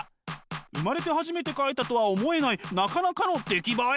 生まれて初めて描いたとは思えないなかなかの出来栄え。